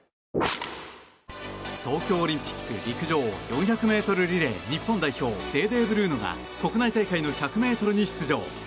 東京オリンピック陸上４００ｍリレー日本代表デーデー・ブルーノが国内大会の１００ｍに出場。